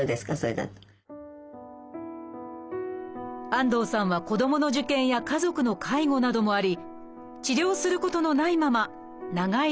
安藤さんは子どもの受験や家族の介護などもあり治療することのないまま長い時間が過ぎていきました